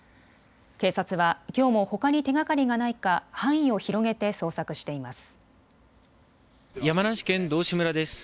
警察はきょうもほかに手がかりがないか範囲を広げて捜索しています。